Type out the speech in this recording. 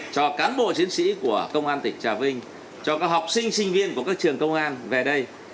cho cán bộ chiến sĩ của công an tỉnh trà vinh cho các học sinh sinh viên của các trường công an về đây